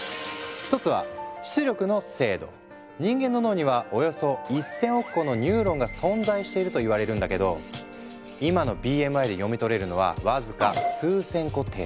一つは人間の脳にはおよそ１，０００億個のニューロンが存在しているといわれるんだけど今のＢＭＩで読み取れるのは僅か数千個程度。